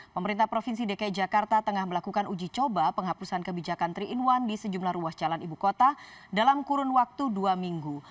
pemerintah provinsi dki jakarta tengah melakukan uji coba penghapusan kebijakan tiga in satu di sejumlah ruas jalan ibu kota dalam kurun waktu dua minggu